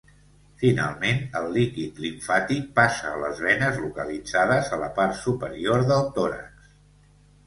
Finalment, el líquid limfàtic passa a les venes localitzades a la part superior del tòrax.